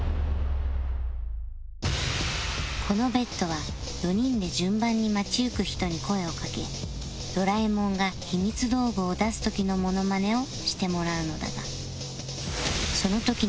この ＢＥＴ は４人で順番に街ゆく人に声をかけドラえもんがひみつ道具を出す時のモノマネをしてもらうのだが